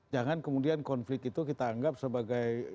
jangan kemudian konflik itu kita anggap sebagai